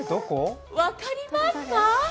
分かりますか？